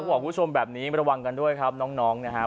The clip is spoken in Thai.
บอกคุณผู้ชมแบบนี้ระวังกันด้วยครับน้องนะครับ